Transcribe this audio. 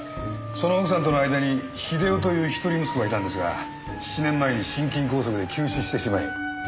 その奥さんとの間に英雄という一人息子がいたんですが７年前に心筋梗塞で急死してしまい。